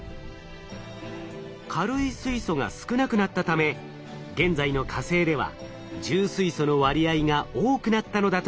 軽い水素が少なくなったため現在の火星では重水素の割合が多くなったのだと考えられるのです。